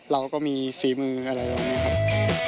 เราก็มีฝีมืออะไรแบบนี้ครับ